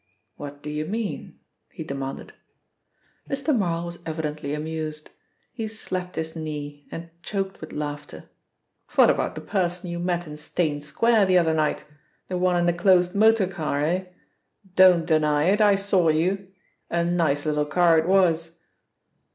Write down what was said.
"What do you mean?" he demanded. Mr. Marl was evidently amused. He slapped his knee and choked with laughter. "What about the person you met in Steyne Square the other night the one in the closed motor car, eh? Don't deny it! I saw you! A nice little car, it was."